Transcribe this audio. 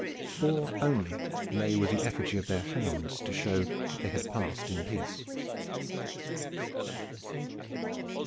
Four only lay with the effigy of their hounds to show that they had passed in peace.